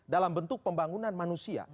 dalam bentuk pembangunan manusia